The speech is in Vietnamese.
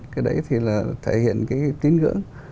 cái đấy thì là thể hiện cái tín ngưỡng